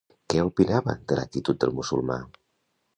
Què opinava de l'actitud del musulmà?